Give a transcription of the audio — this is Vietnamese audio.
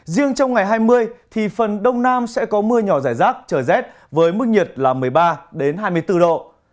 riêng trong ngày hai mươi thì phần đông nam sẽ có mưa nhỏ rải rác trời rét với mức nhiệt là một mươi ba hai mươi bốn độ